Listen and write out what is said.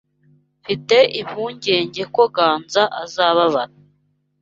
Mfite impungenge ko Ganza azababara.